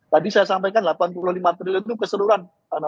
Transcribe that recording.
tadi saya sampaikan delapan puluh lima triliun itu keseluruhan